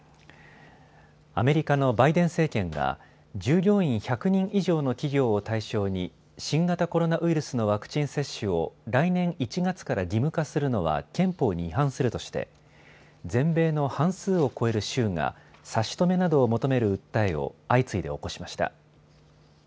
アメリカのバイデン政権が従業員１００人以上の企業を対象に新型コロナウイルスのワクチン接種を来年１月から義務化するのは憲法に違反するとして全米の半数を超える州が差し止めなどを求める訴えを相次いで起こしました。